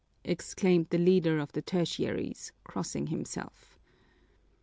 exclaimed the leader of the Tertiaries, crossing himself.